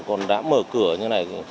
còn đã mở cửa như thế này